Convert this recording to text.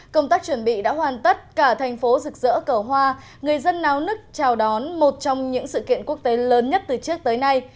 công tác chuẩn bị đã hoàn tất cả thành phố rực rỡ cờ hoa người dân náo nức chào đón một trong những sự kiện quốc tế lớn nhất từ trước tới nay